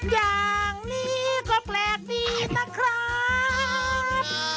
อย่างนี้ก็แปลกดีนะครับ